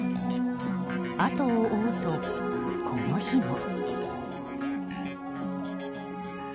あとを追うと、この日も。